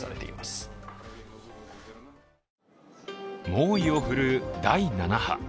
猛威を振るう、第７波。